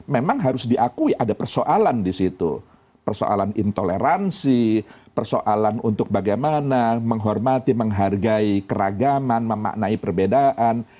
memang harus diakui ada persoalan di situ persoalan intoleransi persoalan untuk bagaimana menghormati menghargai keragaman memaknai perbedaan